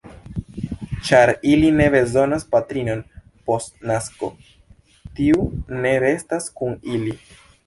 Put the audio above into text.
Ĉar ili ne bezonas patrinon post nasko, tiu ne restas kun ili.